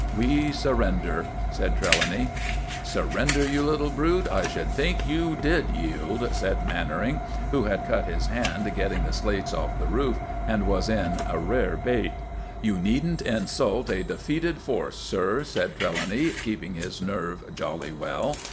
"We surrender," said Trelawny. "Surrender, you little brute, I should think you did yield!" said Mannering, who had cut his hand getting the slates off the roof, and was in a rare bate. "You needn't insult a defeated force, sir," said Trelawny, keeping his nerve jolly well.